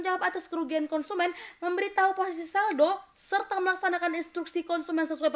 dalam atas kerugian konsumen memberitahu posisi saldo serta melaksanakan instruksi konsumen sesuai